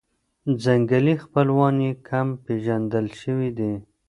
ځنګلي خپلوان یې کم پېژندل شوي دي.